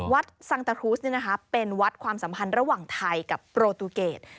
วัดสังตะครูสนี่นะคะเป็นวัดความสัมพันธ์ระหว่างไทยกับโปรตูเกต